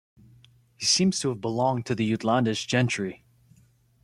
He seems to have belonged to the Jutlandish gentry.